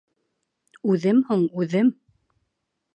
Үҙем һуң, үҙем?